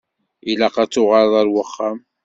Ilaq ad tuɣaleḍ ar wexxam.